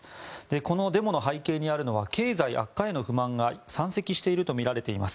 このデモの背景にあるのは経済悪化への不満が山積しているとみられています。